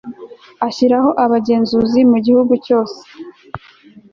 ashyiraho abagenzuzi mu gihugu cyose